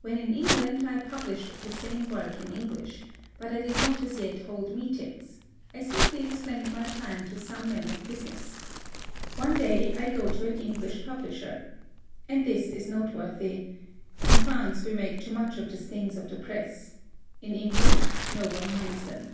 When in England, I published the same work in English; but I did not as yet hold meet ings : I simply explained my plan to some men of business. . One day I go to an Eng lish publisher. And this is noteworthy. In France we make too much of the stings of the press. In England no one minds them.